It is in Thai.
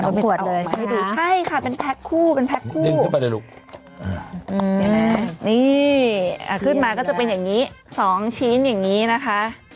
มันจะออกมาให้ดูใช่ค่ะเป็นแพ็คคู่ดึงขึ้นไปเลยลูกนี่ขึ้นมาก็จะเป็นอย่างนี้๒ชิ้นอย่างนี้นะคะ